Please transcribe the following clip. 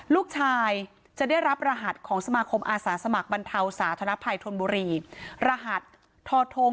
ลูกชายจะได้รับรหัสของสมาคมอาสาสมัครบรรเทาสาธนภัยธนบุรีรหัสทอทง